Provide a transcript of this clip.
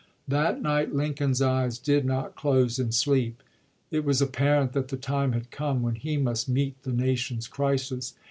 That night Lin coln's eyes did not close in sleep. It was apparent Diary!gMs. that the time had come when he must meet the nation's crisis.